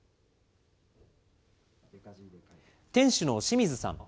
店主の清水さん。